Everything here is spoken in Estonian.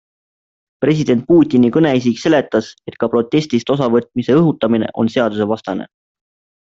President Putini kõneisik seletas, et ka protestist osa võtmise õhutamine on seadusevastane.